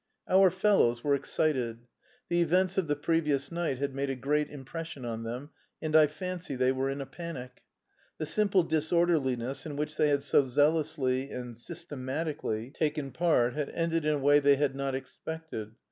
"Our fellows" were excited. The events of the previous night had made a great impression on them, and I fancy they were in a panic. The simple disorderliness in which they had so zealously and systematically taken part had ended in a way they had not expected.